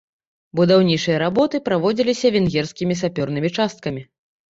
Будаўнічыя работы праводзіліся венгерскімі сапёрнымі часткамі.